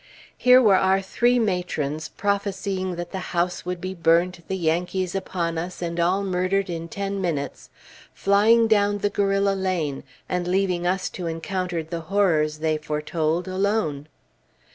Here were our three matrons, prophesying that the house would be burnt, the Yankees upon us, and all murdered in ten minutes, flying down the Guerrilla Lane, and leaving us to encounter the horrors they foretold, alone.